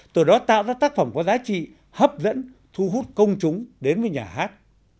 từ đó tạo ra tác phẩm có giá trị hấp dẫn thu hút công chúng đến với nhà hát